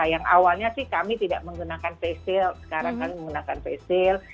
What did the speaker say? yang awalnya sih kami tidak menggunakan face shield sekarang kami menggunakan face shield